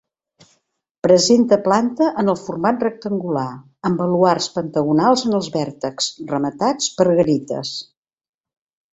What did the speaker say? Presenta planta en el format rectangular, amb baluards pentagonals en els vèrtexs, rematats per garites.